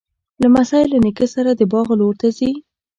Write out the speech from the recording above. لمسی له نیکه سره د باغ لور ته ځي.